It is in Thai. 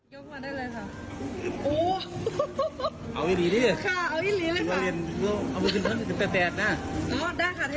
เยอะตัวกันไหมเยอะตัวค่ะ